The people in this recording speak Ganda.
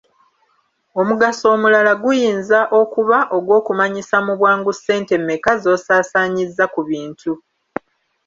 Omugaso omulala guyinza okuba ogw’okumanyisa mu bwangu ssente mmeka z’osaasaanyizza ku bintu.